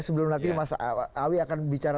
sebelum nanti mas awi akan bicara